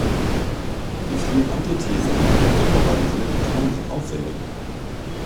Die vielen Antithesen und der moralisierende Ton sind auffällig.